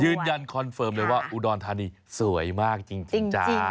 คอนเฟิร์มเลยว่าอุดรธานีสวยมากจริงจ้า